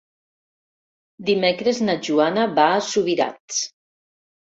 Dimecres na Joana va a Subirats.